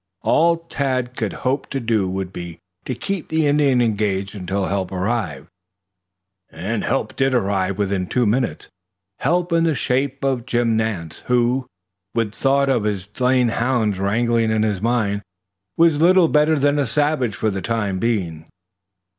All Tad could hope to do would be to keep the Indian engaged until help arrived. Help did arrive within two minutes; help in the shape of Jim Nance, who, with the thought of his slain hounds rankling in his mind, was little better than a savage for the time being.